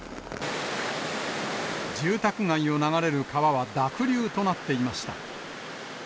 住宅街を流れる川は濁流となっていました。